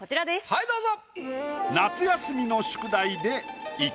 はいどうぞ。